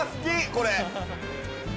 これ。